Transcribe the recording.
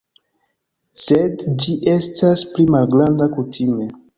Sed ĝi estas pli malgranda, kutime.